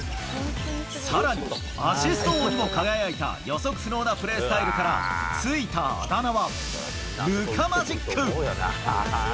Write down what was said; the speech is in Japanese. さらに、アシスト王にも輝いた予測不能なプレースタイルから付いたあだ名は、ルカマジック。